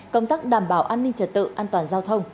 công tác đảm bảo an ninh trật tự an toàn giao thông